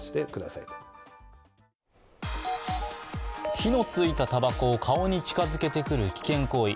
火のついたたばこを顔に近づけてくる危険行為。